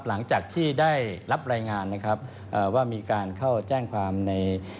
หลังจากที่ได้รับรายงานนะครับเอ่อว่ามีการเข้าแจ้งความใน